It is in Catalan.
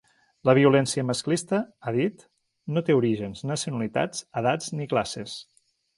La violència masclista, ha dit, no té orígens, nacionalitats, edats, ni classes.